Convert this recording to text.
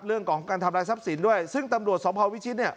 เรื่องของการทำลายทรัพย์สินด้วยซึ่งตำรวจสมภาววิชิตเนี่ย